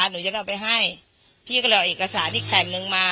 หนูจะได้เอาไปให้พี่ก็เลยเอาเอกสารอีกแผ่นนึงมา